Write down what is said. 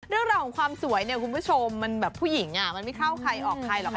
เรื่องราวของความสวยเนี่ยคุณผู้ชมมันแบบผู้หญิงมันไม่เข้าใครออกใครหรอกค่ะ